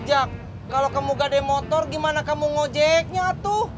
jack kalau kamu nggak ada motor gimana kamu ngejeknya atu